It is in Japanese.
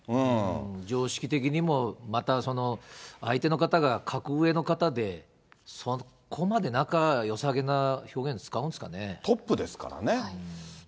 常識的にも、またその相手の方が格上の方で、そこまで仲よさげな表現使いますトップですからね。